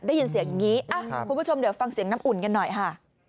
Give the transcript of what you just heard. ได้ยินเสียงอย่างนี้คุณผู้ชมเดี๋ยวฟังเสียงน้ำอุ่นกันหน่อยค่ะ